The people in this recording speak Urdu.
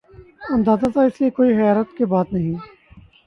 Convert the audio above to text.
اندازہ تھا ، اس لئے کوئی حیرت کی بات نہیں ۔